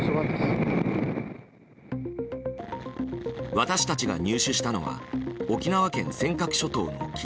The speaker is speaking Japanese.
私たちが入手したのは沖縄県尖閣諸島の沖